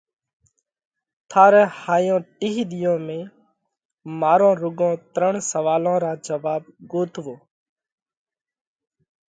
ٿارئہ هائِيون ٽِيه ۮِيئون ۾ مارون رُوڳون ترڻ سوئالون را جواب ڳوٿوووه۔